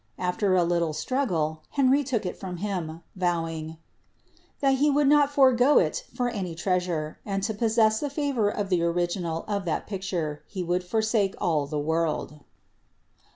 After a little struggle, Henry took it from him, vowing ^ that he would not forego it for any treasure, and to possess the favour of the original of that lovely picture he would forsake all the world."